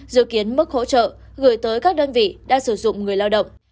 dự kiến mức hỗ trợ gửi tới các đơn vị đã sử dụng người lao động